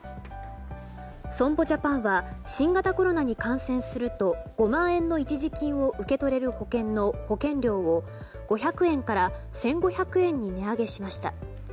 損保ジャパンは新型コロナに感染すると５万円の一時金を受け取れる保険の保険料を５００円から１５００円に値上げしました。